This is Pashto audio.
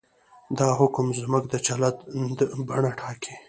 دا حکم زموږ د چلند بڼه ټاکي.